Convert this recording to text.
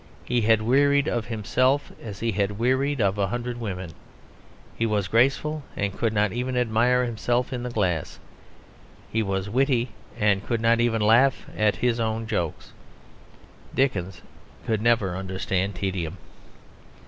He had wearied of himself as he had wearied of a hundred women. He was graceful and could not even admire himself in the glass. He was witty and could not even laugh at his own jokes. Dickens could never understand tedium.